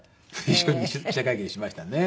一緒に記者会見しましたね。